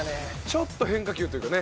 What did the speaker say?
ちょっと変化球というかね。